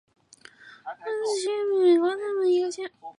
科曼奇县是位于美国俄克拉何马州西南部的一个县。